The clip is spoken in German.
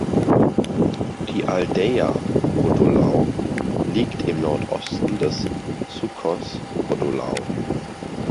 Die Aldeia Cotolau liegt im Nordosten des Sucos Cotolau.